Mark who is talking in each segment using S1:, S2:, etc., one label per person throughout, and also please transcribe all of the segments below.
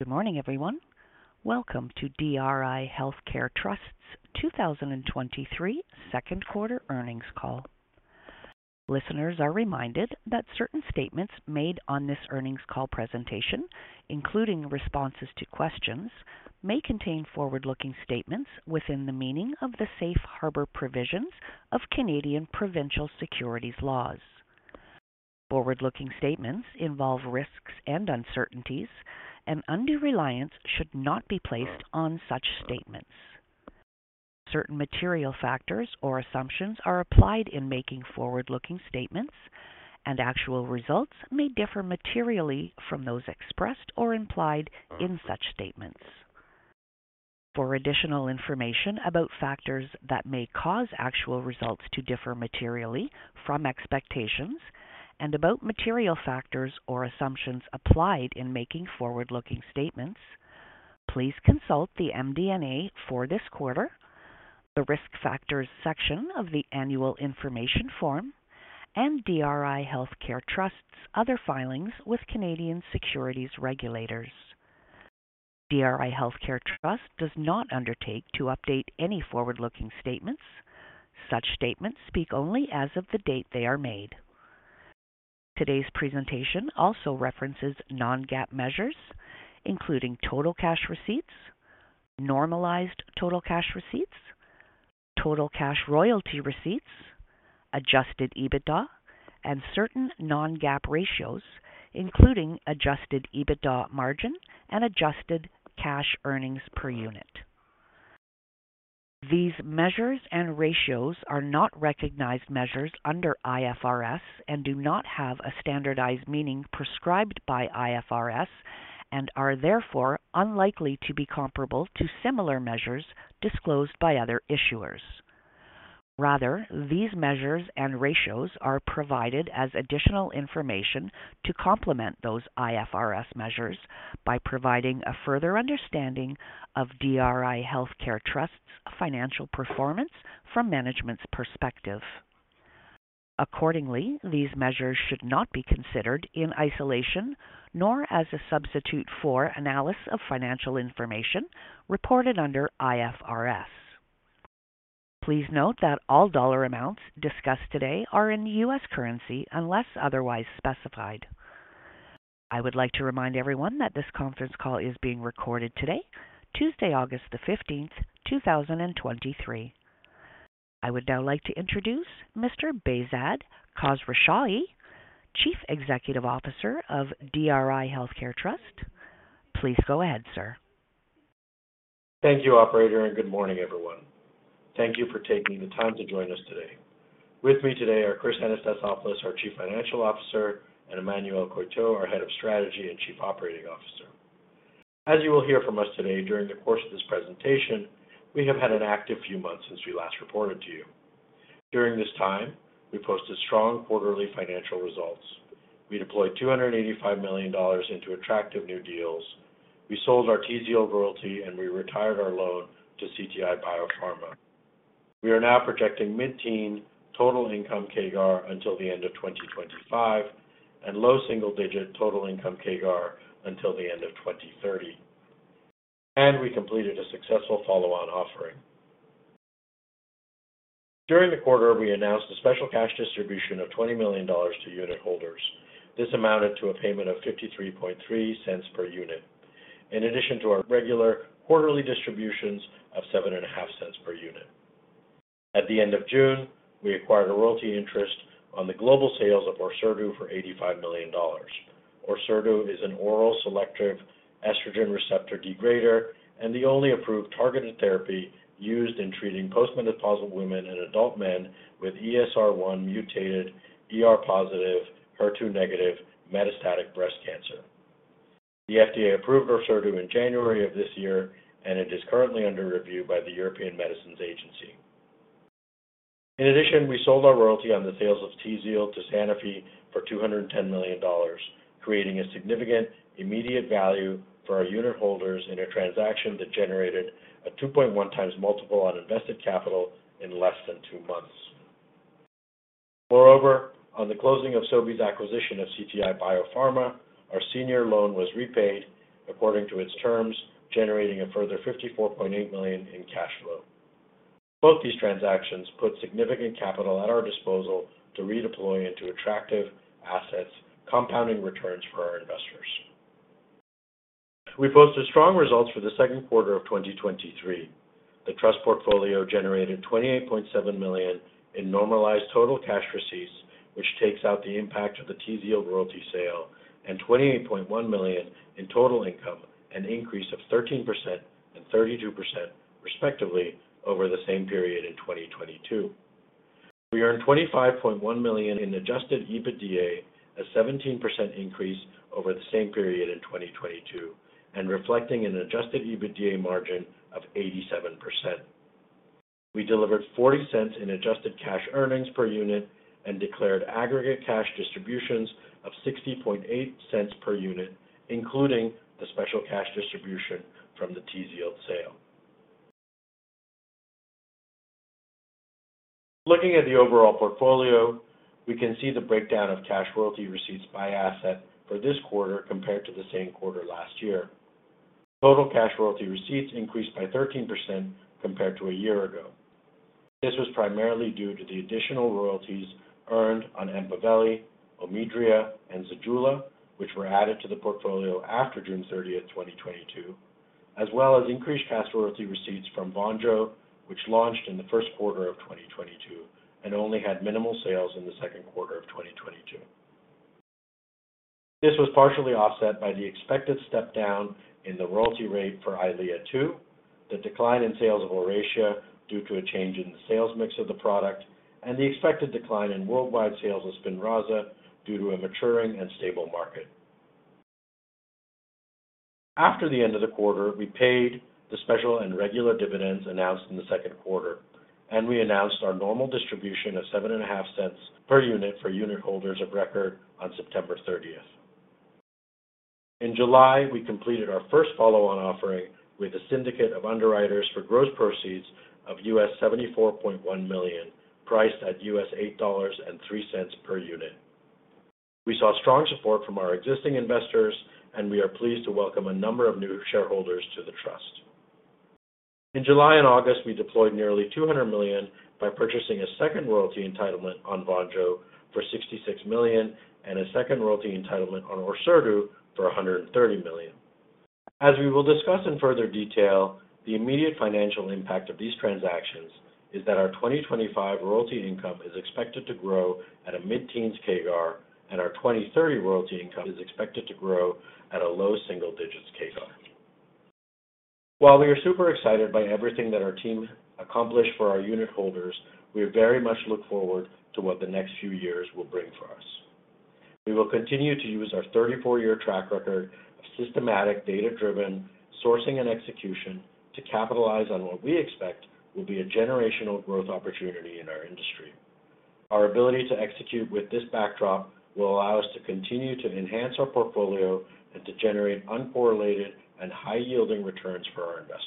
S1: Good morning, everyone. Welcome to DRI Healthcare Trust's 2023 second quarter earnings call. Listeners are reminded that certain statements made on this earnings call presentation, including responses to questions, may contain forward-looking statements within the meaning of the safe harbor provisions of Canadian provincial securities laws. Forward-looking statements involve risks and uncertainties, and undue reliance should not be placed on such statements. Certain material factors or assumptions are applied in making forward-looking statements, and actual results may differ materially from those expressed or implied in such statements. For additional information about factors that may cause actual results to differ materially from expectations and about material factors or assumptions applied in making forward-looking statements, please consult the MD&A for this quarter, the Risk Factors section of the Annual Information Form, and DRI Healthcare Trust's other filings with Canadian securities regulators. DRI Healthcare Trust does not undertake to update any forward-looking statements. Such statements speak only as of the date they are made. Today's presentation also references non-GAAP measures, including total cash receipts, normalized total cash receipts, total cash royalty receipts, Adjusted EBITDA, and certain non-GAAP ratios, including Adjusted EBITDA margin and adjusted cash earnings per unit. These measures and ratios are not recognized measures under IFRS and do not have a standardized meaning prescribed by IFRS, and are therefore unlikely to be comparable to similar measures disclosed by other issuers. Rather, these measures and ratios are provided as additional information to complement those IFRS measures by providing a further understanding of DRI Healthcare Trust's financial performance from management's perspective. Accordingly, these measures should not be considered in isolation, nor as a substitute for analysis of financial information reported under IFRS. Please note that all dollar amounts discussed today are in U.S. currency, unless otherwise specified. I would like to remind everyone that this conference call is being recorded today, Tuesday, August 15th, 2023. I would now like to introduce Mr. Behzad Khosrowshahi, Chief Executive Officer of DRI Healthcare Trust. Please go ahead, sir.
S2: Thank you, operator. Good morning, everyone. Thank you for taking the time to join us today. With me today are Chris Anastasopoulos, our Chief Financial Officer, and Emmanuel Coeytaux, our Head of Strategy and Chief Operating Officer. As you will hear from us today during the course of this presentation, we have had an active few months since we last reported to you. During this time, we posted strong quarterly financial results. We deployed $285 million into attractive new deals. We sold our Tzield royalty, and we retired our loan to CTI BioPharma. We are now projecting mid-teen total income CAGR until the end of 2025 and low single-digit total income CAGR until the end of 2030. We completed a successful follow-on offering. During the quarter, we announced a special cash distribution of $20 million to unitholders. This amounted to a payment of $0.533 per unit. In addition to our regular quarterly distributions of $0.075 per unit. At the end of June, we acquired a royalty interest on the global sales of Orserdu for $85 million. Orserdu is an oral selective estrogen receptor degrader and the only approved targeted therapy used in treating postmenopausal women and adult men with ESR1 mutated, ER positive, HER2 negative metastatic breast cancer. The FDA approved Orserdu in January of this year, and it is currently under review by the European Medicines Agency. In addition, we sold our royalty on the sales of Tzield to Sanofi for $210 million, creating a significant immediate value for our unitholders in a transaction that generated a 2.1x multiple on invested capital in less than 2 months. Moreover, on the closing of Sobi's acquisition of CTI BioPharma, our senior loan was repaid according to its terms, generating a further $54.8 million in cash flow. Both these transactions put significant capital at our disposal to redeploy into attractive assets, compounding returns for our investors. We posted strong results for the second quarter of 2023. The Trust portfolio generated $28.7 million in normalized total cash receipts, which takes out the impact of the Tzield royalty sale, and $28.1 million in total income, an increase of 13% and 32% respectively over the same period in 2022. We earned $25.1 million in Adjusted EBITDA, a 17% increase over the same period in 2022 and reflecting an Adjusted EBITDA margin of 87%. We delivered $0.40 in adjusted cash earnings per unit and declared aggregate cash distributions of $0.608 per unit, including the special cash distribution from the Tzield sale. Looking at the overall portfolio, we can see the breakdown of cash royalty receipts by asset for this quarter compared to the same quarter last year. Total cash royalty receipts increased by 13% compared to a year ago. This was primarily due to the additional royalties earned on Empaveli, Omidria, and Zejula, which were added to the portfolio after June 30th, 2022, as well as increased cash royalty receipts from Vonjo, which launched in the first quarter of 2022 and only had minimal sales in the second quarter of 2022. This was partially offset by the expected step down in the royalty rate for Eylea, too, the decline in sales of Oracea due to a change in the sales mix of the product, and the expected decline in worldwide sales of Spinraza due to a maturing and stable market. After the end of the quarter, we paid the special and regular dividends announced in the second quarter, and we announced our normal distribution of $0.075 per unit for unit holders of record on September 30th. In July, we completed our first follow-on offering with a syndicate of underwriters for gross proceeds of $74.1 million, priced at $8.03 per unit. We saw strong support from our existing investors, and we are pleased to welcome a number of new shareholders to the trust. In July and August, we deployed nearly $200 million by purchasing a second royalty entitlement on Vonjo for $66 million and a second royalty entitlement on Orserdu for $130 million. As we will discuss in further detail, the immediate financial impact of these transactions is that our 2025 royalty income is expected to grow at a mid-teens CAGR, and our 2030 royalty income is expected to grow at a low single digits CAGR. While we are super excited by everything that our team accomplished for our unit holders, we very much look forward to what the next few years will bring for us. We will continue to use our 34-year track record of systematic, data-driven sourcing and execution to capitalize on what we expect will be a generational growth opportunity in our industry. Our ability to execute with this backdrop will allow us to continue to enhance our portfolio and to generate uncorrelated and high-yielding returns for our investors.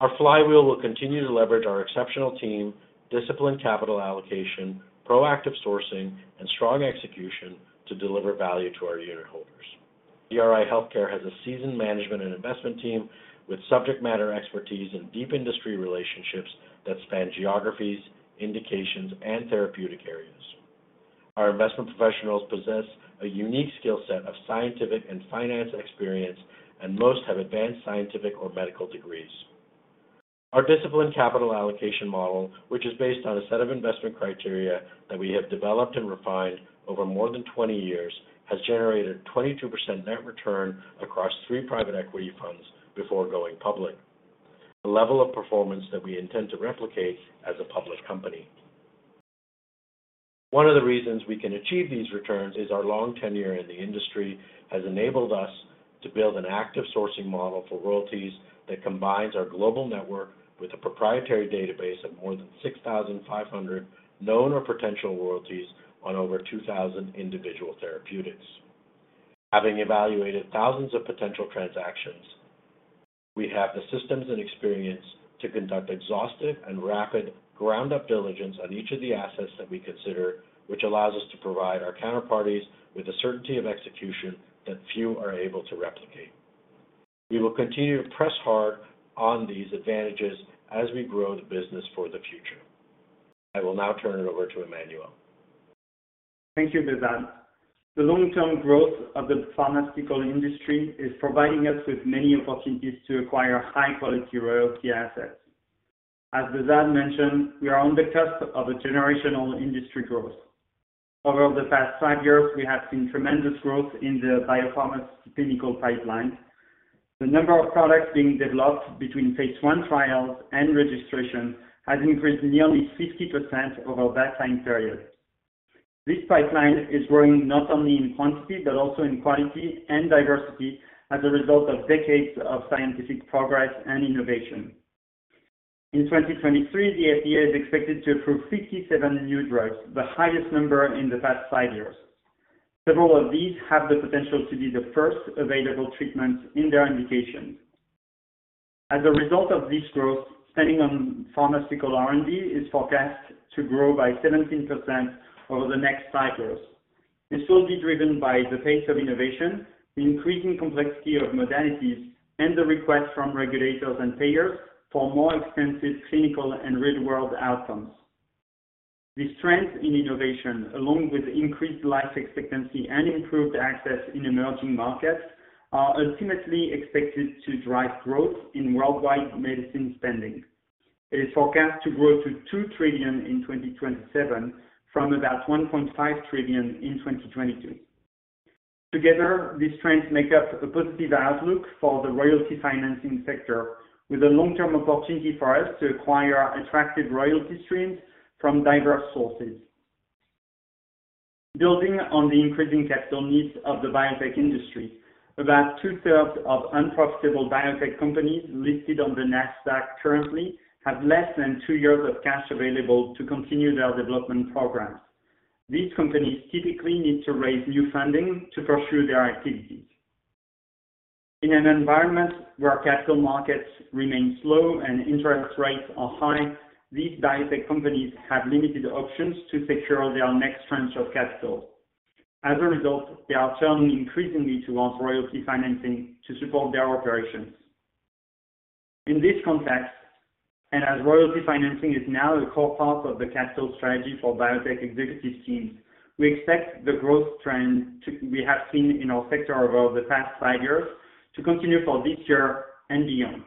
S2: Our flywheel will continue to leverage our exceptional team, disciplined capital allocation, proactive sourcing, and strong execution to deliver value to our unit holders. DRI Healthcare has a seasoned management and investment team with subject matter expertise and deep industry relationships that span geographies, indications, and therapeutic areas. Our investment professionals possess a unique skill set of scientific and finance experience, and most have advanced scientific or medical degrees. Our disciplined capital allocation model, which is based on a set of investment criteria that we have developed and refined over more than 20 years, has generated 22% net return across three private equity funds before going public, a level of performance that we intend to replicate as a public company. One of the reasons we can achieve these returns is our long tenure in the industry has enabled us to build an active sourcing model for royalties that combines our global network with a proprietary database of more than 6,500 known or potential royalties on over 2,000 individual therapeutics. Having evaluated thousands of potential transactions, we have the systems and experience to conduct exhaustive and rapid ground-up diligence on each of the assets that we consider, which allows us to provide our counterparties with a certainty of execution that few are able to replicate. We will continue to press hard on these advantages as we grow the business for the future. I will now turn it over to Emmanuel.
S3: Thank you, Behzad. The long-term growth of the pharmaceutical industry is providing us with many opportunities to acquire high-quality royalty assets. As Behzad mentioned, we are on the cusp of a generational industry growth. Over the past five years, we have seen tremendous growth in the biopharmaceutical pipeline. The number of products being developed between phase 1 trials and registration has increased nearly 60% over that time period. This pipeline is growing not only in quantity, but also in quality and diversity as a result of decades of scientific progress and innovation. In 2023, the FDA is expected to approve 57 new drugs, the highest number in the past five years. Several of these have the potential to be the first available treatments in their indications. As a result of this growth, spending on pharmaceutical R&D is forecast to grow by 17% over the next five years. This will be driven by the pace of innovation, the increasing complexity of modalities, and the request from regulators and payers for more extensive clinical and real-world outcomes. The strength in innovation, along with increased life expectancy and improved access in emerging markets, are ultimately expected to drive growth in worldwide medicine spending, is forecast to grow to $2 trillion in 2027 from about $1.5 trillion in 2022. Together, these trends make up a positive outlook for the royalty financing sector, with a long-term opportunity for us to acquire attractive royalty streams from diverse sources. Building on the increasing capital needs of the biotech industry, about two-thirds of unprofitable biotech companies listed on the NASDAQ currently have less than 2 years of cash available to continue their development programs. These companies typically need to raise new funding to pursue their activity.... In an environment where capital markets remain slow and interest rates are high, these biotech companies have limited options to secure their next tranche of capital. A result, they are turning increasingly towards royalty financing to support their operations. In this context, as royalty financing is now a core part of the capital strategy for biotech executive teams, we expect the growth trend we have seen in our sector over the past five years to continue for this year and beyond.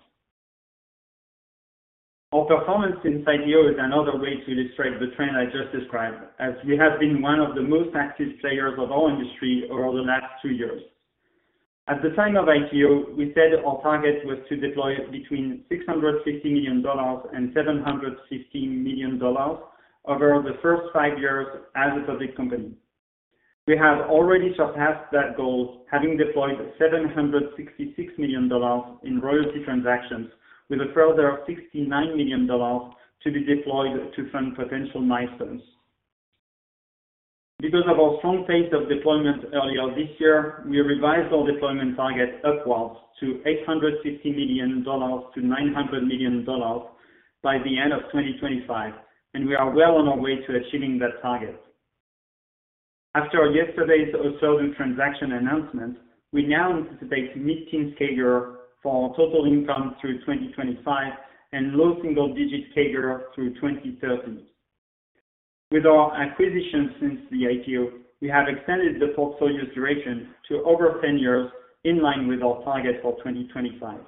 S3: Our performance since IPO is another way to illustrate the trend I just described, as we have been one of the most active players of our industry over the last two years. At the time of IPO, we said our target was to deploy between $650 million and $750 million over the first five years as a public company. We have already surpassed that goal, having deployed $766 million in royalty transactions, with a further $69 million to be deployed to fund potential milestones. Of our strong pace of deployment earlier this year, we revised our deployment target upwards to $850 million-$900 million by the end of 2025, and we are well on our way to achieving that target. After yesterday's Orserdu transaction announcement, we now anticipate mid-teen CAGR for our total income through 2025 and low single-digit CAGR through 2030. With our acquisitions since the IPO, we have extended the portfolio's duration to over 10 years, in line with our target for 2025.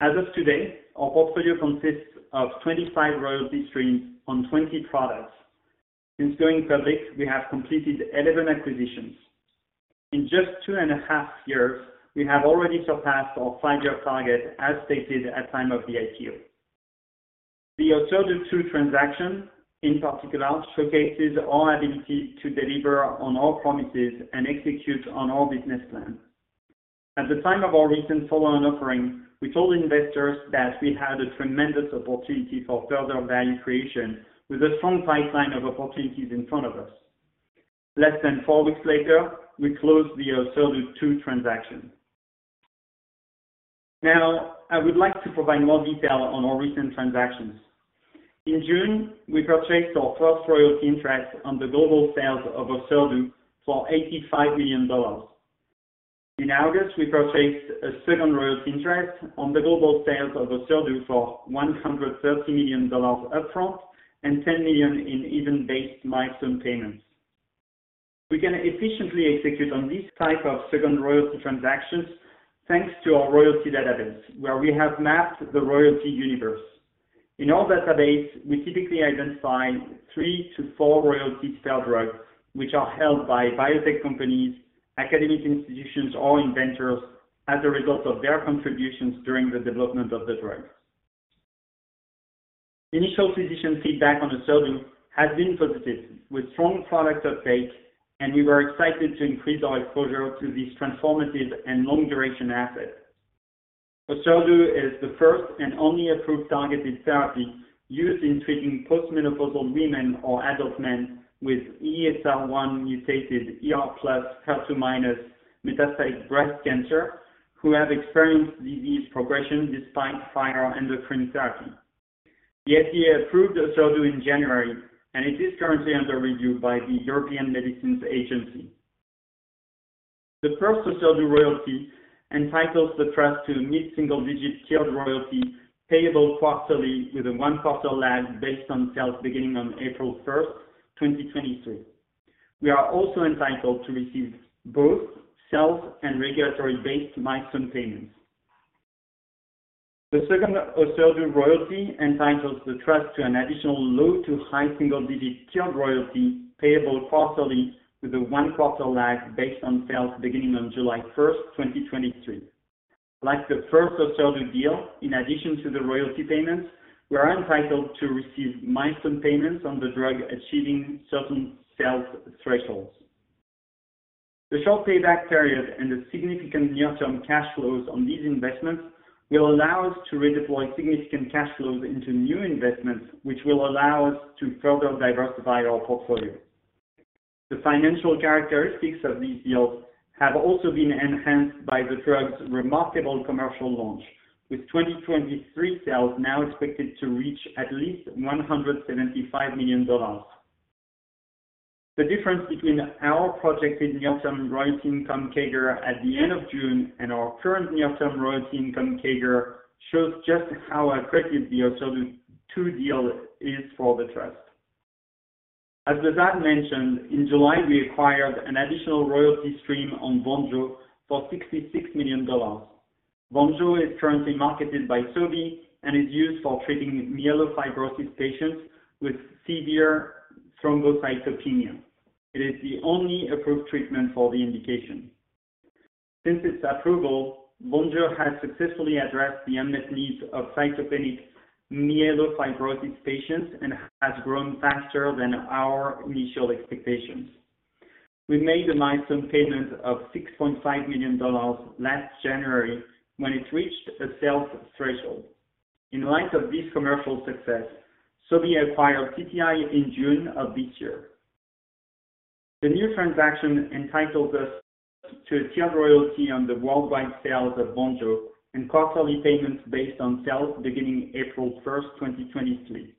S3: As of today, our portfolio consists of 25 royalty streams on 20 products. Since going public, we have completed 11 acquisitions. In just 2.5 years, we have already surpassed our 5-year target, as stated at time of the IPO. The Orserdu 2 transaction, in particular, showcases our ability to deliver on our promises and execute on our business plan. At the time of our recent follow-on offering, we told investors that we had a tremendous opportunity for further value creation with a strong pipeline of opportunities in front of us. Less than 4 weeks later, we closed the Orserdu 2 transaction. Now, I would like to provide more detail on our recent transactions. In June, we purchased our first royalty interest on the global sales of Orserdu for $85 million. In August, we purchased a second royalty interest on the global sales of Orserdu for $130 million upfront and $10 million in event-based milestone payments. We can efficiently execute on this type of second royalty transactions, thanks to our royalty database, where we have mapped the royalty universe. In our database, we typically identify three to four royalty sale drugs, which are held by biotech companies, academic institutions, or inventors as a result of their contributions during the development of the drugs. Initial physician feedback on Orserdu has been positive, with strong product uptake. We were excited to increase our exposure to this transformative and long-duration asset. Orserdu is the first and only approved targeted therapy used in treating post-menopausal women or adult men with ESR1-mutated, ER+ HER2- metastatic breast cancer who have experienced disease progression despite final endocrine therapy. The FDA approved Orserdu in January. It is currently under review by the European Medicines Agency. The first Orserdu royalty entitles the trust to mid-single-digit tiered royalty, payable quarterly with a 1-quarter lag based on sales beginning on April 1, 2023. We are also entitled to receive both sales and regulatory-based milestone payments. The second Orserdu royalty entitles the trust to an additional low to high single-digit tiered royalty, payable quarterly with a 1-quarter lag based on sales beginning on July 1, 2023. Like the first Orserdu deal, in addition to the royalty payments, we are entitled to receive milestone payments on the drug achieving certain sales thresholds. The short payback period and the significant near-term cash flows on these investments will allow us to redeploy significant cash flows into new investments, which will allow us to further diversify our portfolio. The financial characteristics of these deals have also been enhanced by the drug's remarkable commercial launch, with 2023 sales now expected to reach at least $175 million. The difference between our projected near-term royalty income CAGR at the end of June and our current near-term royalty income CAGR shows just how aggressive the Orserdu 2 deal is for the trust. As Behzad mentioned, in July, we acquired an additional royalty stream on Vonjo for $66 million. Vonjo is currently marketed by Sobi and is used for treating myelofibrosis patients with severe thrombocytopenia. It is the only approved treatment for the indication. Since its approval, Vonjo has successfully addressed the unmet needs of cytopenic myelofibrosis patients and has grown faster than our initial expectations. We made a milestone payment of $6.5 million last January when it reached a sales threshold. In light of this commercial success, Sobi acquired CTI in June of this year. The new transaction entitles us to a tiered royalty on the worldwide sales of Vonjo and quarterly payments based on sales beginning April 1, 2023.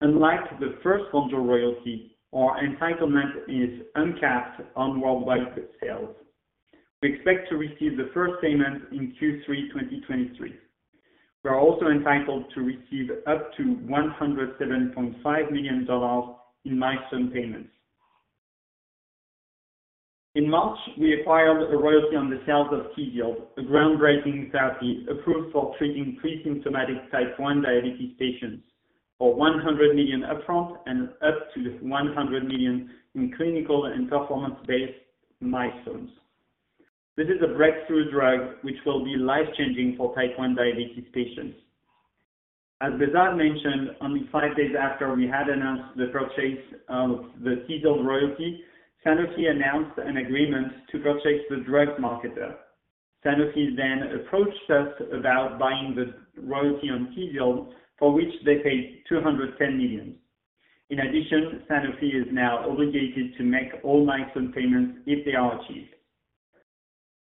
S3: Unlike the first Vonjo royalty, our entitlement is uncapped on worldwide sales. We expect to receive the first payment in Q3 2023. We are also entitled to receive up to $107.5 million in milestone payments. In March, we acquired a royalty on the sales of Tzield, a groundbreaking therapy approved for treating pre-symptomatic type 1 diabetes patients, for $100 million upfront and up to $100 million in clinical and performance-based milestones. This is a breakthrough drug, which will be life-changing for type 1 diabetes patients. As Behzad mentioned, only 5 days after we had announced the purchase of the Tzield royalty, Sanofi announced an agreement to purchase the drug marketer. Sanofi approached us about buying the royalty on Tzield, for which they paid $210 million. In addition, Sanofi is now obligated to make all milestone payments if they are achieved.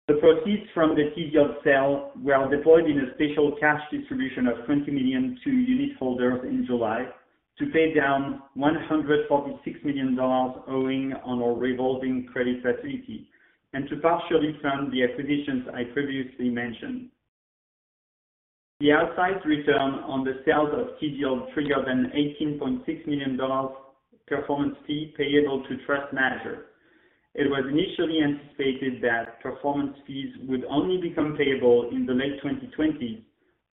S3: The proceeds from the Tzield sale were deployed in a special cash distribution of $20 million to unitholders in July to pay down $146 million owing on our revolving credit facility and to partially fund the acquisitions I previously mentioned. The outsized return on the sales of Tzield triggered an $18.6 million performance fee payable to trust manager. It was initially anticipated that performance fees would only become payable in the late 2020s.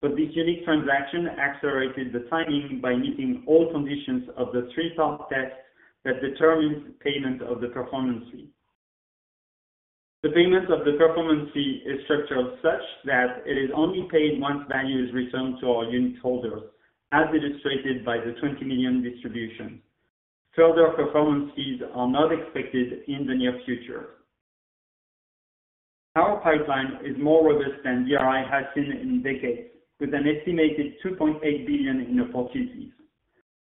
S3: This unique transaction accelerated the timing by meeting all conditions of the three-part test that determines payment of the performance fee. The payment of the performance fee is structured such that it is only paid once value is returned to our unitholders, as illustrated by the $20 million distribution. Further performance fees are not expected in the near future. Our pipeline is more robust than DRI has seen in decades, with an estimated $2.8 billion in opportunities.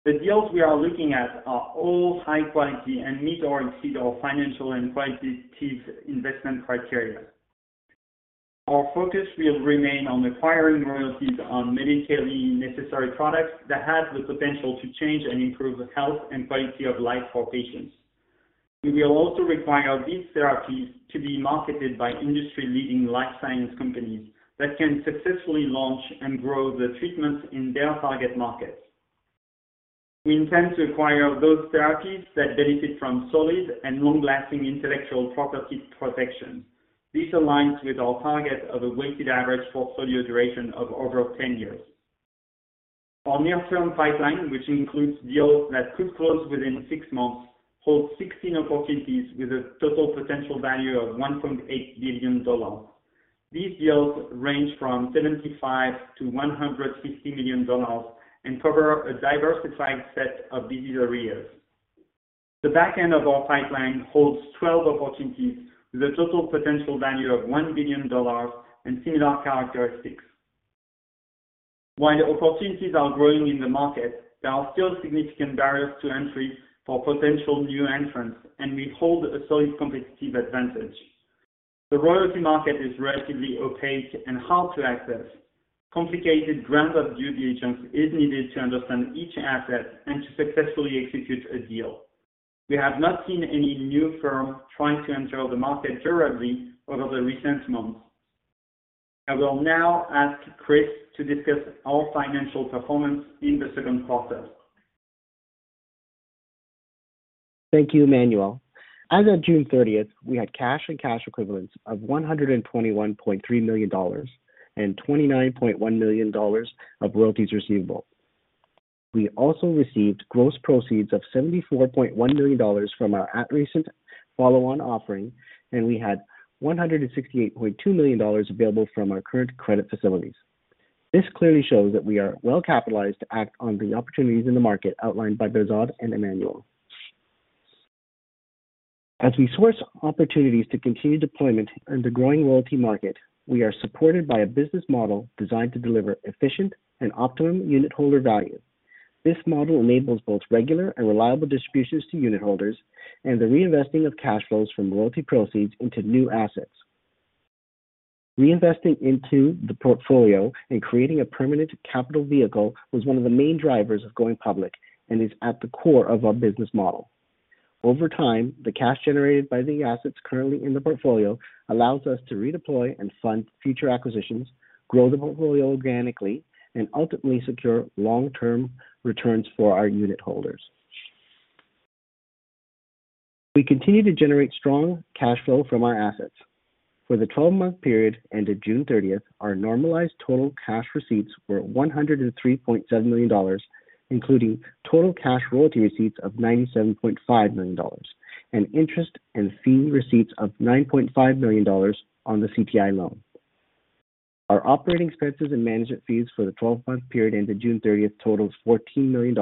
S3: The deals we are looking at are all high quality and meet or exceed our financial and quality investment criteria. Our focus will remain on acquiring royalties on medically necessary products that have the potential to change and improve the health and quality of life for patients. We will also require these therapies to be marketed by industry-leading life science companies that can successfully launch and grow the treatments in their target markets. We intend to acquire those therapies that benefit from solid and long-lasting intellectual property protection. This aligns with our target of a weighted average portfolio duration of over 10 years. Our near-term pipeline, which includes deals that could close within six months, holds 16 opportunities with a total potential value of $1.8 billion. These deals range from $75 million-$150 million and cover a diversified set of disease areas. The back end of our pipeline holds 12 opportunities with a total potential value of $1 billion and similar characteristics. While opportunities are growing in the market, there are still significant barriers to entry for potential new entrants, and we hold a solid competitive advantage. The royalty market is relatively opaque and hard to access. Complicated ground-up due diligence is needed to understand each asset and to successfully execute a deal. We have not seen any new firm trying to enter the market thoroughly over the recent months. I will now ask Chris to discuss our financial performance in the second quarter.
S4: Thank you, Emmanuel. As of June 30th, we had cash and cash equivalents of $121.3 million and $29.1 million of royalties receivable. We also received gross proceeds of $74.1 million from our at-recent follow-on offering, and we had $168.2 million available from our current credit facilities. This clearly shows that we are well capitalized to act on the opportunities in the market outlined by Behzad and Emmanuel. As we source opportunities to continue deployment in the growing royalty market, we are supported by a business model designed to deliver efficient and optimum unitholder value. This model enables both regular and reliable distributions to unitholders and the reinvesting of cash flows from royalty proceeds into new assets. Reinvesting into the portfolio and creating a permanent capital vehicle was one of the main drivers of going public and is at the core of our business model. Over time, the cash generated by the assets currently in the portfolio allows us to redeploy and fund future acquisitions, grow the portfolio organically, and ultimately secure long-term returns for our unitholders. We continue to generate strong cash flow from our assets. For the 12-month period ended June 30th, our normalized total cash receipts were $103.7 million, including total cash royalty receipts of $97.5 million, and interest and fee receipts of $9.5 million on the CTI loan. Our operating expenses and management fees for the 12-month period ended June 30th totaled $14 million,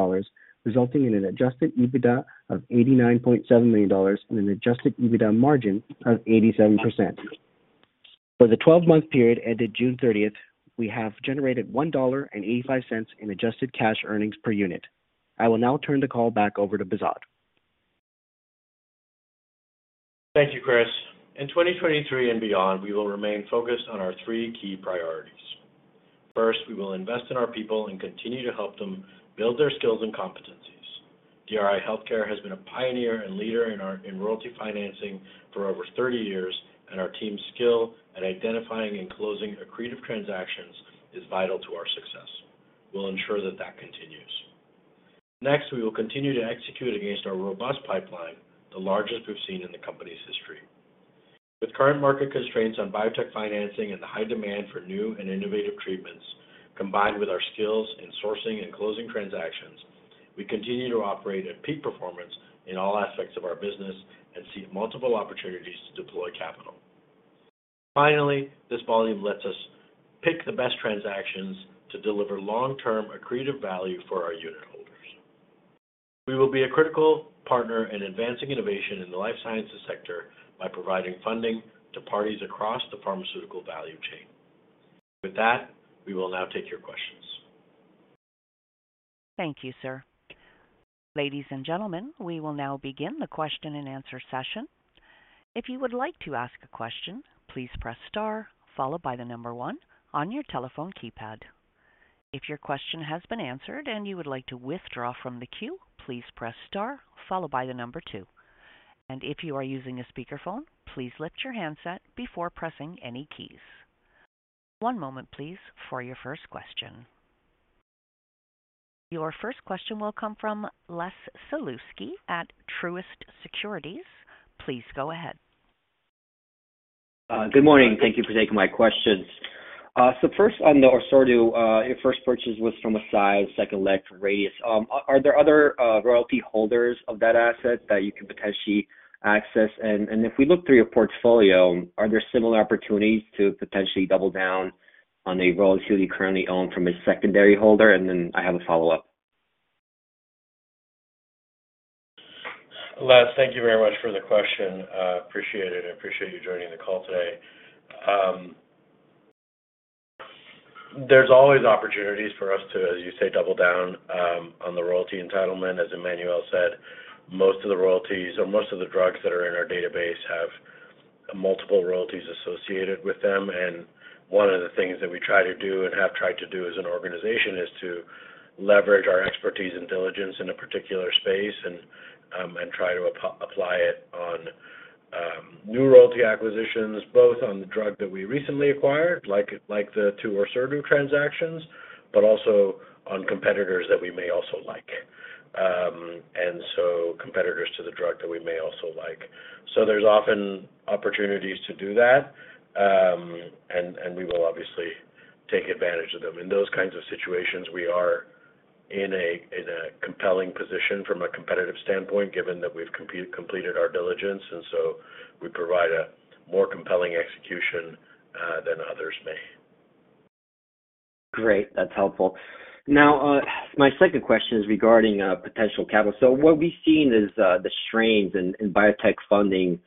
S4: resulting in an Adjusted EBITDA of $89.7 million and an Adjusted EBITDA margin of 87%. ...For the 12-month period ended June 30th, we have generated $1.85 in adjusted cash earnings per unit. I will now turn the call back over to Behzad.
S2: Thank you, Chris. In 2023 and beyond, we will remain focused on our 3 key priorities. First, we will invest in our people and continue to help them build their skills and competencies. DRI Healthcare has been a pioneer and leader in royalty financing for over 30 years, and our team's skill at identifying and closing accretive transactions is vital to our success. We'll ensure that that continues. We will continue to execute against our robust pipeline, the largest we've seen in the company's history. With current market constraints on biotech financing and the high demand for new and innovative treatments, combined with our skills in sourcing and closing transactions, we continue to operate at peak performance in all aspects of our business and see multiple opportunities to deploy capital. Finally, this volume lets us pick the best transactions to deliver long-term accretive value for our unitholders. We will be a critical partner in advancing innovation in the life sciences sector by providing funding to parties across the pharmaceutical value chain. With that, we will now take your questions.
S1: Thank you, sir. Ladies and gentlemen, we will now begin the question-and-answer session. If you would like to ask a question, please press star followed by 1 on your telephone keypad. If your question has been answered and you would like to withdraw from the queue, please press star followed by 2. If you are using a speakerphone, please lift your handset before pressing any keys. One moment please, for your first question. Your first question will come from Les Sulewski at Truist Securities. Please go ahead.
S5: Good morning. Thank you for taking my questions. First on the Orserdu, your first purchase was from Eisai second leg Radius. Are there other royalty holders of that asset that you can potentially access? If we look through your portfolio, are there similar opportunities to potentially double down on a royalty you currently own from a secondary holder? Then I have a follow-up.
S2: Les, thank you very much for the question. appreciate it. I appreciate you joining the call today. There's always opportunities for us to, as you say, double down, on the royalty entitlement. As Emmanuel said, most of the royalties or most of the drugs that are in our database have multiple royalties associated with them. One of the things that we try to do, and have tried to do as an organization, is to leverage our expertise and diligence in a particular space and, and try to app-apply it on, new royalty acquisitions, both on the drug that we recently acquired, like, like the two Orserdu transactions, but also on competitors that we may also like. So competitors to the drug that we may also like. There's often opportunities to do that, and we will obviously take advantage of them. In those kinds of situations, we are in a, in a compelling position from a competitive standpoint, given that we've comped-completed our diligence, and so we provide a more compelling execution than others may.
S5: Great. That's helpful. Now, my second question is regarding potential capital. What we've seen is the strains in, in biotech funding,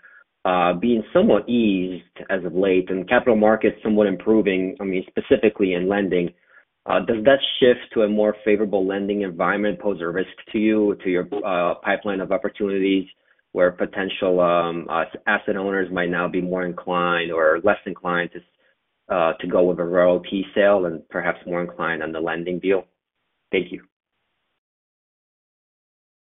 S5: being somewhat eased as of late and capital markets somewhat improving, I mean specifically in lending. Does that shift to a more favorable lending environment, pose a risk to you, to your, pipeline of opportunities where potential, asset owners might now be more inclined or less inclined to, to go with a royalty sale and perhaps more inclined on the lending deal? Thank you.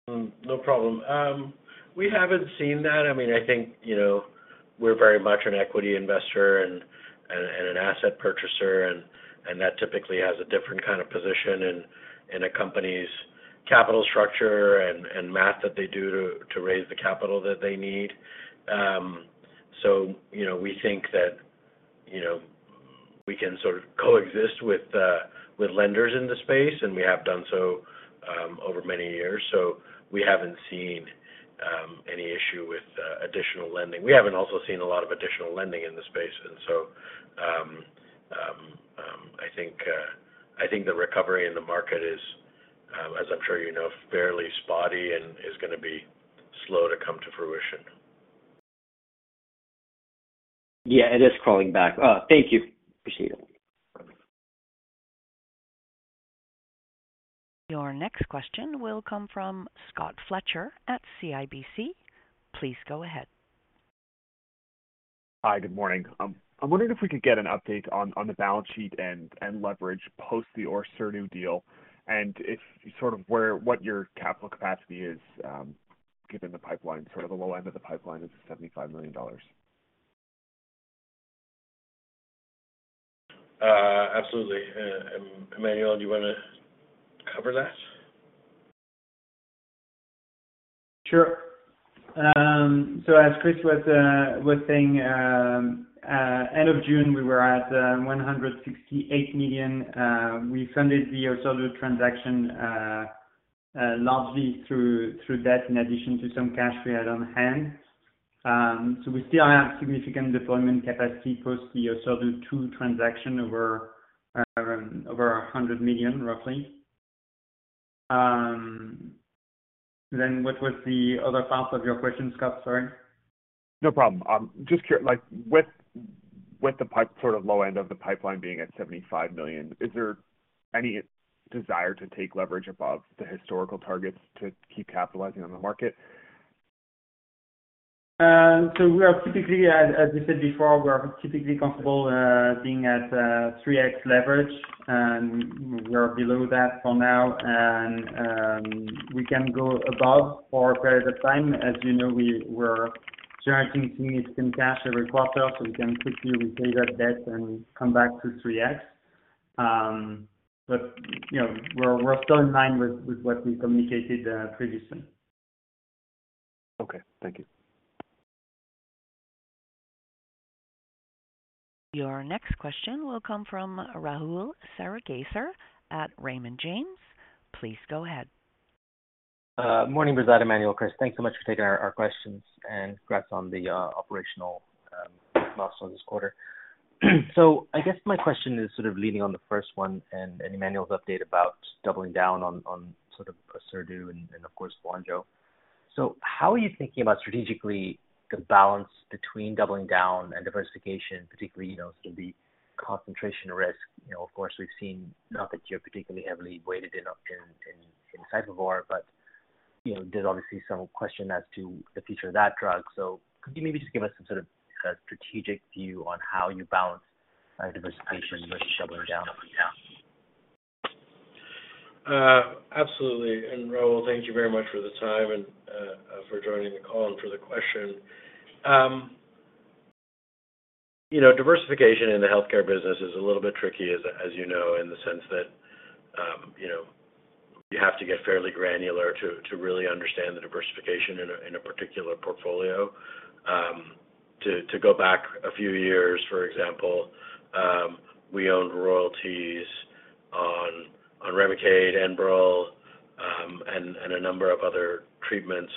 S2: No problem. We haven't seen that. I mean, I think, you know, we're very much an equity investor and, and, and an asset purchaser, and, and that typically has a different kind of position in, in a company's capital structure and, and math that they do to, to raise the capital that they need. So you know, we think that, you know, we can sort of coexist with lenders in the space, and we have done so over many years. So we haven't seen any issue with additional lending. We haven't also seen a lot of additional lending in the space. I think, I think the recovery in the market is, as I'm sure you know, fairly spotty and is gonna be slow to come to fruition.
S5: Yeah, it is crawling back. Thank you. Appreciate it.
S1: Your next question will come from Scott Fletcher at CIBC. Please go ahead.
S6: Hi, good morning. I'm wondering if we could get an update on, on the balance sheet and, and leverage post the Orserdu deal, and if sort of where, what your capital capacity is, given the pipeline, sort of the low end of the pipeline is the $75 million?
S2: Absolutely. Emmanuel, do you want to cover that?
S3: Sure. As Chris was saying, end of June, we were at $168 million. We funded the Orserdu transaction largely through debt in addition to some cash we had on hand. We still have significant deployment capacity post the Orserdu 2 transaction, over $100 million, roughly.... what was the other part of your question, Scott? Sorry.
S6: No problem. Just like, with, with the pipe, sort of low end of the pipeline being at $75 million, is there any desire to take leverage above the historical targets to keep capitalizing on the market?
S3: We are typically, as we said before, we are typically comfortable being at 3x leverage, and we are below that for now. We can go above for a period of time. As you know, we were generating significant cash every quarter, so we can quickly repay that debt and come back to 3x. You know, we're still in line with what we communicated previously.
S6: Okay, thank you.
S1: Your next question will come from Rahul Sarugaser at Raymond James. Please go ahead.
S7: Morning, Behzad, Emmanuel, Chris. Thanks so much for taking our, our questions. Congrats on the operational milestone this quarter. I guess my question is sort of leading on the first one and, and Emmanuel's update about doubling down on, on sort of ORSERDU and, and of course, Vonjo. How are you thinking about strategically the balance between doubling down and diversification, particularly, you know, sort of the concentration risk? You know, of course, we've seen not that you're particularly heavily weighted in, in, in, in Syfovre, but, you know, there's obviously some question as to the future of that drug. Could you maybe just give us some sort of strategic view on how you balance diversification versus doubling down?
S2: Absolutely. Rahul, thank you very much for the time and for joining the call and for the question. You know, diversification in the healthcare business is a little bit tricky, as, as you know, in the sense that, you know, you have to get fairly granular to, to really understand the diversification in a, in a particular portfolio. To go back a few years, for example, we owned royalties on, on Remicade, Enbrel, and a number of other treatments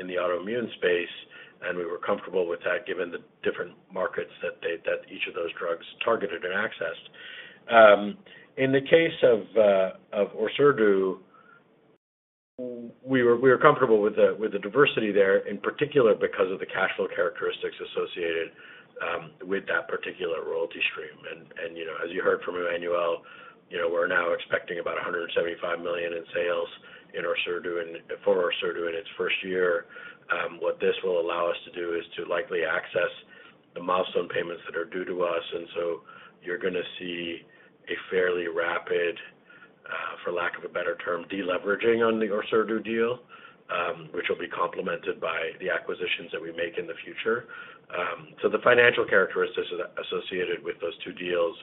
S2: in the autoimmune space, and we were comfortable with that given the different markets that each of those drugs targeted and accessed. In the case of ORSERDU, we were, we were comfortable with the, with the diversity there, in particular, because of the cash flow characteristics associated with that particular royalty stream. You know, as you heard from Emmanuel, you know, we're now expecting about $175 million in sales in Orserdu and for Orserdu in its first year. What this will allow us to do is to likely access the milestone payments that are due to us, and so you're gonna see a fairly rapid, for lack of a better term, deleveraging on the Orserdu deal, which will be complemented by the acquisitions that we make in the future. So the financial characteristics associated with those two deals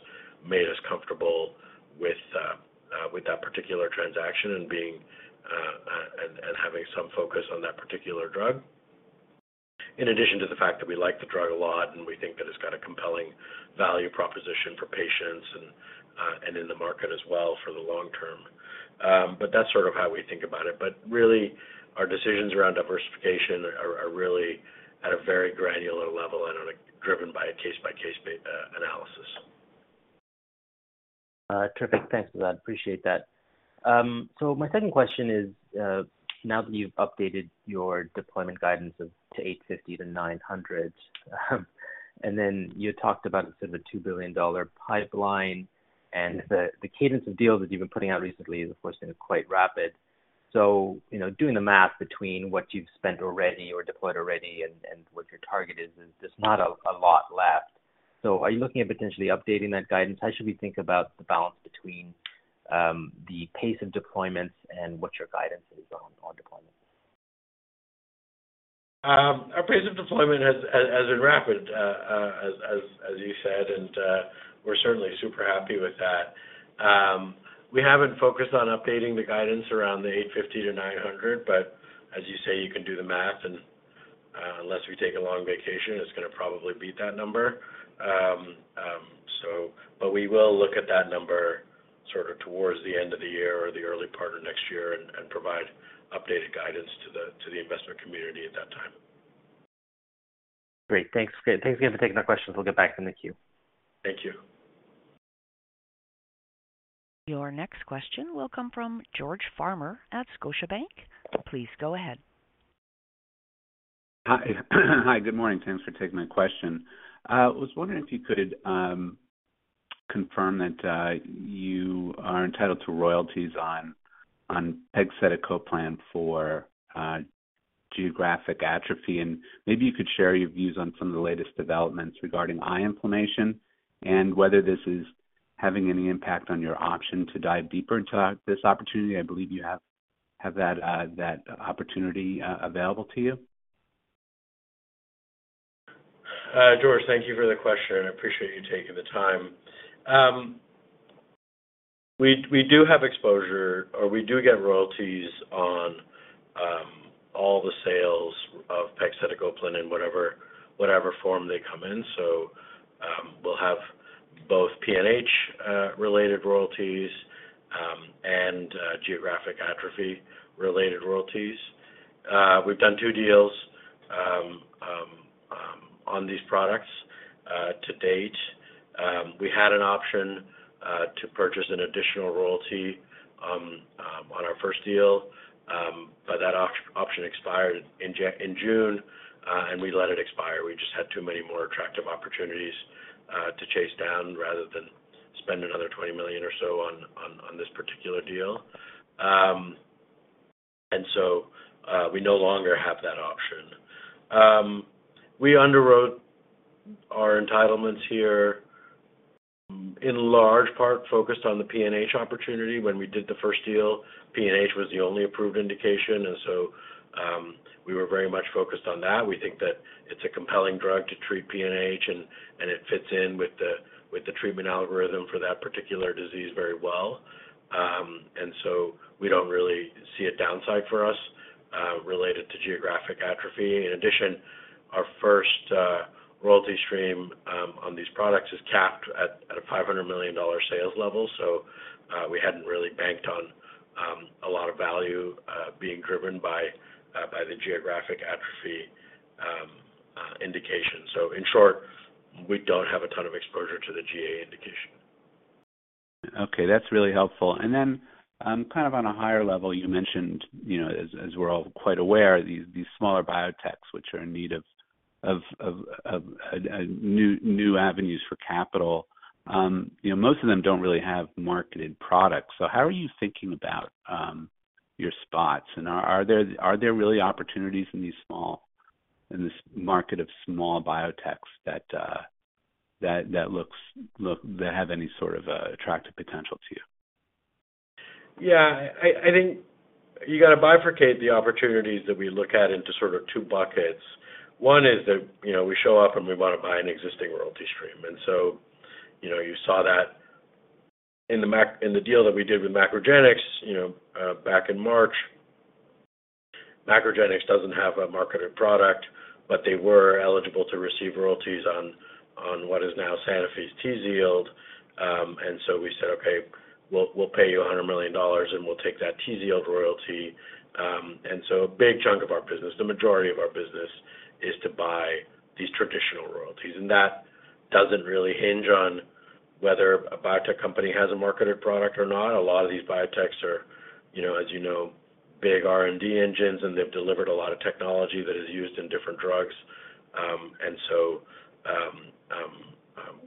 S2: made us comfortable with, with that particular transaction and being, and, and having some focus on that particular drug. In addition to the fact that we like the drug a lot and we think that it's got a compelling value proposition for patients and, and in the market as well for the long term. That's sort of how we think about it. Really, our decisions around diversification are really at a very granular level and are driven by a case-by-case analysis.
S7: Terrific. Thanks for that. I appreciate that. My second question is, now that you've updated your deployment guidance of to $850 million-$900 million, you talked about sort of a $2 billion pipeline, and the cadence of deals that you've been putting out recently is, of course, been quite rapid. You know, doing the math between what you've spent already or deployed already and what your target is, there's not a lot left. Are you looking at potentially updating that guidance? How should we think about the balance between the pace of deployments and what your guidance is on deployments?
S2: Our pace of deployment has been rapid, as you said, and we're certainly super happy with that. We haven't focused on updating the guidance around the $850-$900, as you say, you can do the math, and unless we take a long vacation, it's gonna probably beat that number. We will look at that number sort of towards the end of the year or the early part of next year and provide updated guidance to the investment community at that time.
S7: Great. Thanks. Thanks again for taking my questions. I'll get back in the queue.
S2: Thank you.
S1: Your next question will come from George Farmer at Scotiabank. Please go ahead.
S8: Hi. Hi, good morning. Thanks for taking my question. I was wondering if you could confirm that you are entitled to royalties on, on pegcetacoplan for geographic atrophy, and maybe you could share your views on some of the latest developments regarding eye inflammation and whether this is having any impact on your option to dive deeper into this opportunity. I believe you have that, that opportunity available to you.
S2: George, thank you for the question. I appreciate you taking the time. We, we do have exposure, or we do get royalties on all the sales of pegcetacoplan in whatever, whatever form they come in. We'll have both PNH related royalties and geographic atrophy related royalties. We've done 2 deals on these products to date. We had an option to purchase an additional royalty on our first deal, but that option expired in June, and we let it expire. We just had too many more attractive opportunities to chase down rather than spend another $20 million or so on this particular deal. We no longer have that option. We underwrote our entitlements here, in large part, focused on the PNH opportunity. When we did the first deal, PNH was the only approved indication, and so we were very much focused on that. We think that it's a compelling drug to treat PNH, and it fits in with the treatment algorithm for that particular disease very well. We don't really see a downside for us related to geographic atrophy. In addition, our first royalty stream on these products is capped at a $500 million sales level, so we hadn't really banked on a lot of value being driven by the geographic atrophy indication. In short, we don't have a ton of exposure to the GA indication.
S8: Okay, that's really helpful. Then, kind of on a higher level, you mentioned, you know, as, as we're all quite aware, these, these smaller biotechs, which are in need of, of, of, of, new, new avenues for capital. You know, most of them don't really have marketed products. How are you thinking about, your spots? Are, are there, are there really opportunities in this market of small biotechs that, that have any sort of, attractive potential to you?
S2: Yeah, I, I think you got to bifurcate the opportunities that we look at into sort of two buckets. One is that, you know, we show up, and we want to buy an existing royalty stream. You saw that in the Mac- in the deal that we did with MacroGenics, you know, back in March. Macro-Genics doesn't have a marketed product, but they were eligible to receive royalties on, on what is now Sanofi's Tzield. We said, "Okay, we'll, we'll pay you $100 million, and we'll take that Tzield royalty." A big chunk of our business, the majority of our business, is to buy these traditional royalties, and that doesn't really hinge on whether a biotech company has a marketed product or not. A lot of these biotechs are, you know, as you know, big R&D engines, and they've delivered a lot of technology that is used in different drugs.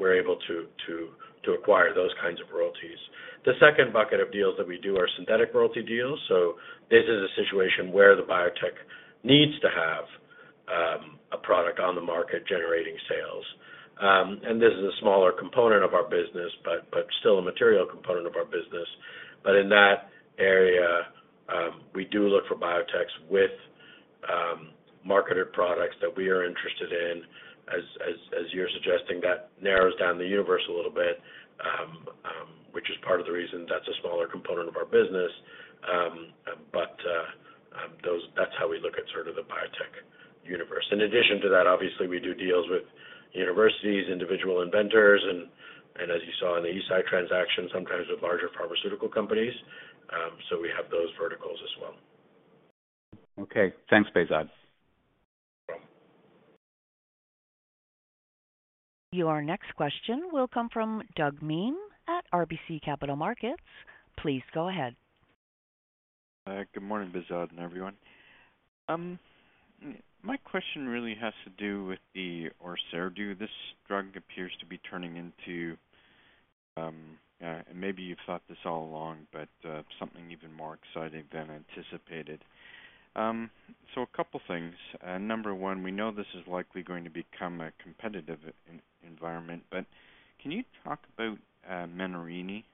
S2: we're able to, to, to acquire those kinds of royalties. The second bucket of deals that we do are synthetic royalty deals, so this is a situation where the biotech needs to have a product on the market generating sales. This is a smaller component of our business, but, but still a material component of our business. In that area, we do look for bio-techs with marketed products that we are interested in. As, as, as you're suggesting, that narrows down the universe a little bit, which is part of the reason that's a smaller component of our business. That's how we look at sort of the biotech universe. In addition to that, obviously, we do deals with universities, individual inventors, and, and as you saw in the Eisai transaction, sometimes with larger pharmaceutical companies. We have those verticals as well.
S8: Okay. Thanks, Behzad.
S2: Yeah.
S1: Your next question will come from Douglas Miehm at RBC Capital Markets. Please go ahead.
S9: Good morning, Behzad, and everyone. My question really has to do with the Orserdu. This drug appears to be turning into, and maybe you've thought this all along, but something even more exciting than anticipated. A couple things. Number one, we know this is likely going to become a competitive en- environment, but can you talk about Menarini?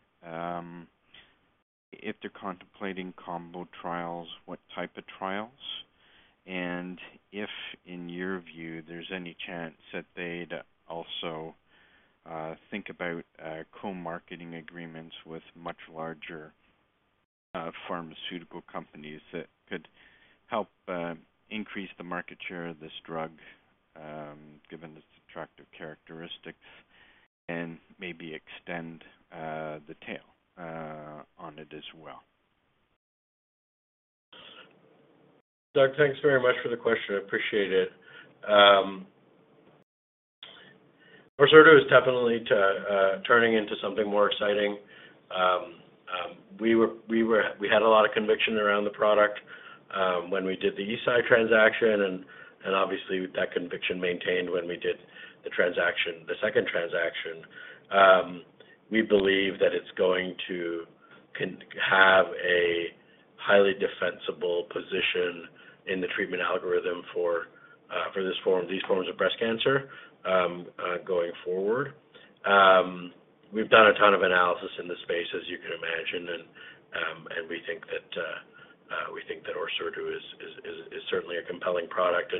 S9: If they're contemplating combo trials, what type of trials, and if in your view, there's any chance that they'd also think about co-marketing agreements with much larger pharmaceutical companies that could help increase the market share of this drug, given its attractive characteristics and maybe extend the tail on it as well?
S2: Douglas, thanks very much for the question. I appreciate it. Orserdu is definitely turning into something more exciting. We had a lot of conviction around the product when we did the Eisai transaction, and obviously, that conviction maintained when we did the transaction, the second transaction. We believe that it's going to have a highly defensible position in the treatment algorithm for these forms of breast cancer going forward. We've done a ton of analysis in this space, as you can imagine, and we think that we think that Orserdu is, is, is, is certainly a compelling product.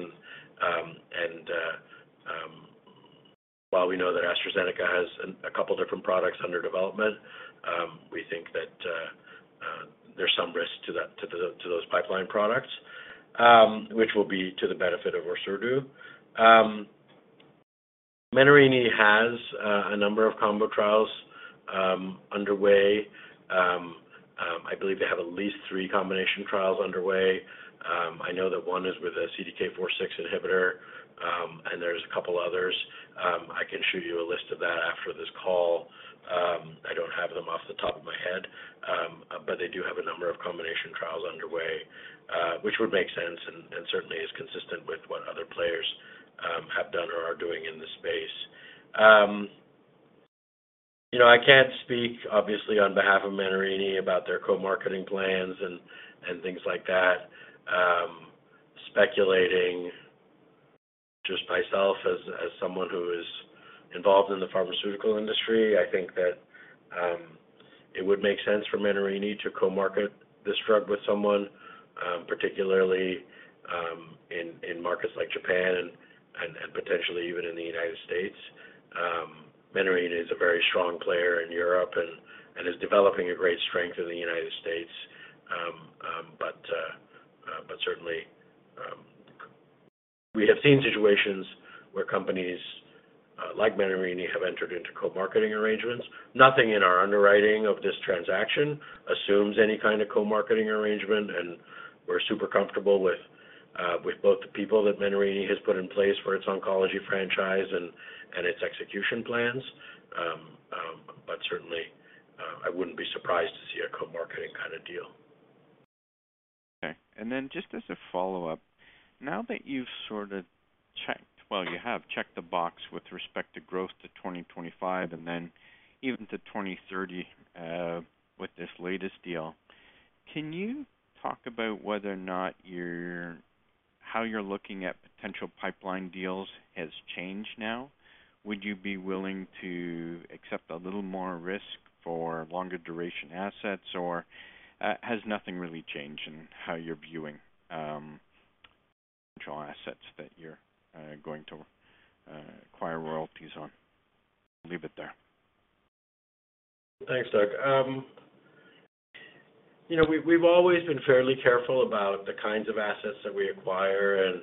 S2: While we know that AstraZeneca has 2 different products under development, we think that there's some risk to that, to the, to those pipeline products, which will be to the benefit of Orserdu. Menarini has a number of combo trials underway. I believe they have at least 3 combination trials underway. I know that 1 is with a CDK4/6 inhibitor, and there's 2 others. I can shoot you a list of that after this call. I don't have them off the top of my head, but they do have a number of combination trials underway, which would make sense and, and certainly is consistent with what other players have done or are doing in this space. You know, I can't speak, obviously, on behalf of Menarini about their co-marketing plans and, and things like that. Speculating just myself as, as someone who is involved in the pharmaceutical industry, I think that it would make sense for Menarini to co-market this drug with someone, particularly in, in markets like Japan and, and, and potentially even in the United States. Menarini is a very strong player in Europe and, and is developing a great strength in the United States. But certainly, we have seen situations where companies like Menarini have entered into co-marketing arrangements. Nothing in our underwriting of this transaction assumes any kind of co-marketing arrangement, and we're super comfortable with, with both the people that Menarini has put in place for its oncology franchise and, and its execution plans. Certainly, I wouldn't be surprised to see a co-marketing kind of deal.
S9: Okay. Just as a follow-up, now that you've sort of checked, well, you have checked the box with respect to growth to 2025 and then even to 2030 with this latest deal, can you talk about whether or not your, how you're looking at potential pipeline deals has changed now? Would you be willing to accept a little more risk for longer duration assets, or has nothing really changed in how you're viewing draw assets that you're going to acquire royalties on? I'll leave it there.
S2: Thanks, Douglas. You know, we've, we've always been fairly careful about the kinds of assets that we acquire, and,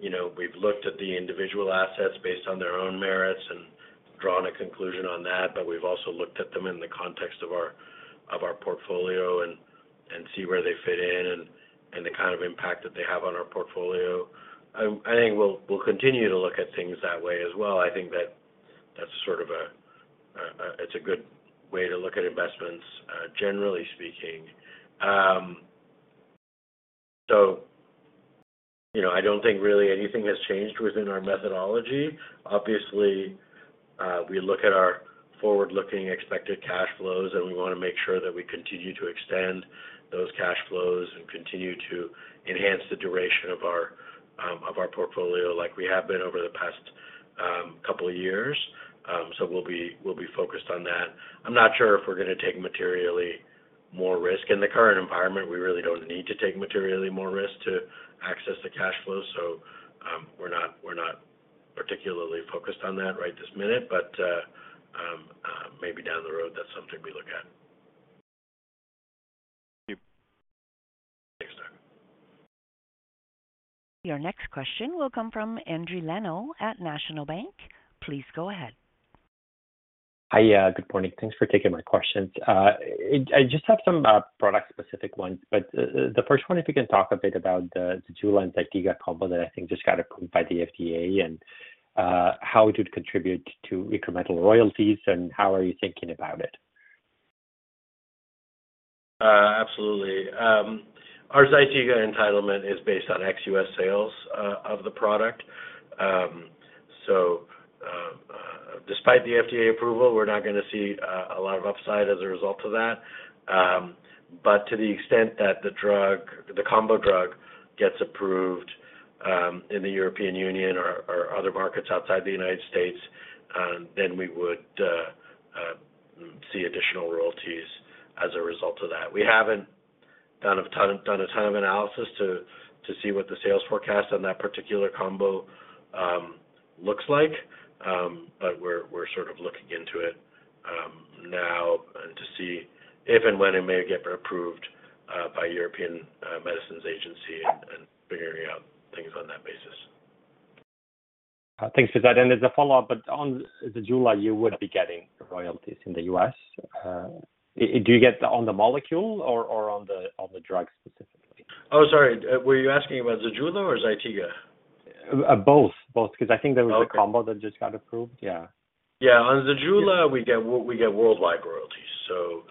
S2: you know, we've looked at the individual assets based on their own merits and drawn a conclusion on that. We've also looked at them in the context of our, of our portfolio and, and see where they fit in and, and the kind of impact that they have on our portfolio. I, I think we'll, we'll continue to look at things that way as well. I think that that's sort of it's a good way to look at investments generally speaking. You know, I don't think really anything has changed within our methodology. Obviously, we look at our forward-looking expected cash flows, and we want to make sure that we continue to extend those cash flows and continue to enhance the duration of our of our portfolio, like we have been over the past couple of years. We'll be, we'll be focused on that. I'm not sure if we're going to take materially more risk in the current environment. We really don't need to take materially more risk to access the cash flows. We're not, we're not particularly focused on that right this minute, but maybe down the road, that's something we look at.
S9: Thank you.
S2: Thanks, Douglas.
S1: Your next question will come from Endri Leno at National Bank Financial. Please go ahead.
S10: Hi, good morning. Thanks for taking my questions. I, I just have some product-specific ones, but the first one, if you can talk a bit about the Zejula and Zytiga combo that I think just got approved by the FDA, and how it would contribute to incremental royalties, and how are you thinking about it?
S2: Absolutely. Our Zytiga entitlement is based on ex-US sales of the product. Despite the FDA approval, we're not going to see a lot of upside as a result of that. To the extent that the drug, the combo drug gets approved in the European Union or other markets outside the United States, we would see additional royalties as a result of that. We haven't done a ton of, done a ton of analysis to see what the sales forecast on that particular combo looks like. We're sort of looking into it now and to see if and when it may get approved by European Medicines Agency and figuring out things on that basis.
S10: Thanks for that. As a follow-up, but on the Zejula, you would be getting royalties in the U.S. Do you get on the molecule or, or on the, on the drug specifically?
S2: Oh, sorry, were you asking about Zejula or Zytiga?
S10: Both, because I think there was a combo that just got approved. Yeah.
S2: On Zejula, we get world- we get worldwide royalties, so,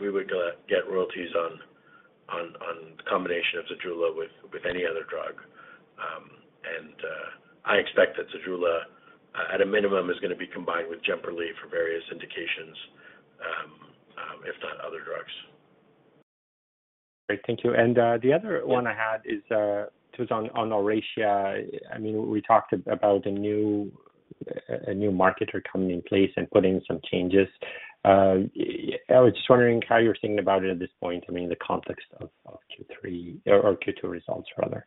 S2: we would, get royalties on, on, on the combination of Zejula with, with any other drug. I expect that Zejula, at a minimum, is going to be combined with Jemperli for various indications, if not other drugs.
S10: Great, thank you. The other one I had is, was on Oracea. I mean, we talked about a new, a new marketer coming in place and putting some changes. I was just wondering how you're thinking about it at this point, I mean, in the context of Q3 or Q2 results rather.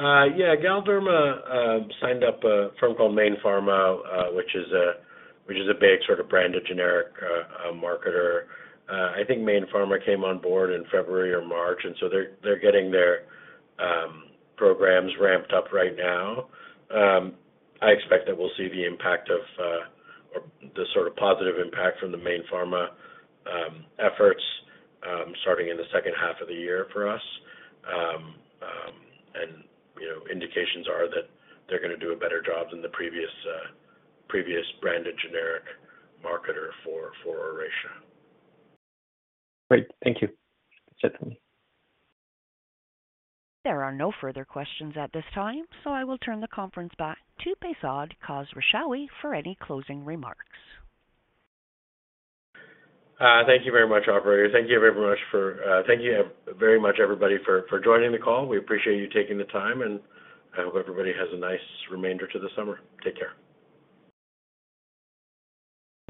S2: Yeah. Galderma signed up a firm called Mayne Pharma, which is a, which is a big sort of branded generic marketer. I think Mayne Pharma came on board in February or March, they're, they're getting their programs ramped up right now. I expect that we'll see the impact of, or the sort of positive impact from the Mayne Pharma efforts, starting in the second half of the year for us. You know, indications are that they're going to do a better job than the previous previous branded generic marketer for, for Oracea.
S10: Great. Thank you. That's it for me.
S1: There are no further questions at this time, I will turn the conference back to Behzad Khosrowshahi for any closing remarks.
S2: Thank you very much, operator. Thank you very much for, thank you very much, everybody for, for joining the call. We appreciate you taking the time, and I hope everybody has a nice remainder to the summer. Take care.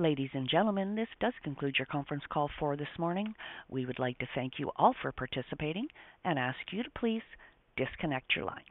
S1: Ladies and gentlemen, this does conclude your conference call for this morning. We would like to thank you all for participating and ask you to please disconnect your lines.